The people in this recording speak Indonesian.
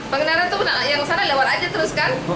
pengendaran itu yang sana lewat aja terus kan